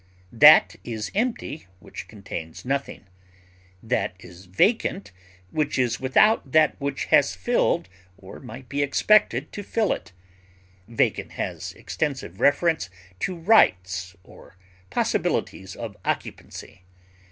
That is empty which contains nothing; that is vacant which is without that which has filled or might be expected to fill it; vacant has extensive reference to rights or possibilities of occupancy.